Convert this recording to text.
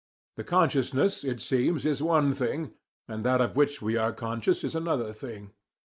The consciousness, it seems, is one thing, and that of which we are conscious is another thing.